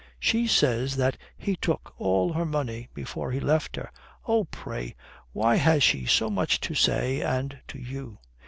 "She says that he took all her money before he left her." "Oh! Pray, why has she so much to say, and to you?"